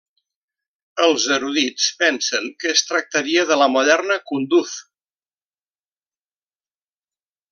Els erudits pensen que es tractaria de la moderna Kunduz.